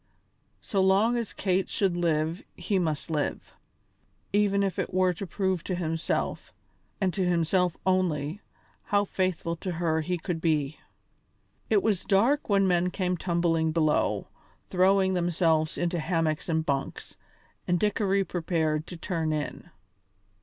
So long as Kate should live he must live, even if it were to prove to himself, and to himself only, how faithful to her he could be. It was dark when men came tumbling below, throwing themselves into hammocks and bunks, and Dickory prepared to turn in.